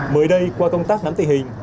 mới đây qua công tác nắm tình hình